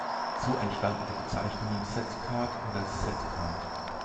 So entstanden die Bezeichnungen Zed Card oder Sed Card.